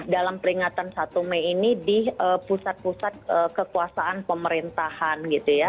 dalam peringatan satu mei ini di pusat pusat kekuasaan pemerintahan gitu ya